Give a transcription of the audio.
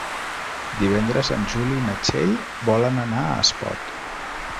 Divendres en Juli i na Txell volen anar a Espot.